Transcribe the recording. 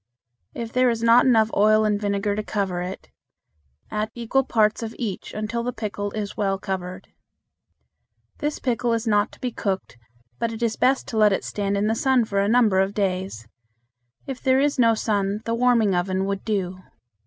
If there is not enough oil and vinegar to cover it, add equal parts of each until the pickle is well covered. This pickle is not to be cooked, but it is best to let it stand in the sun for a number of days. If there is no sun, the warming oven would do.